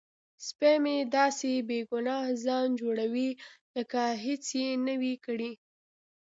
سپی مې داسې بې ګناه ځان جوړوي لکه هیڅ یې نه وي کړي.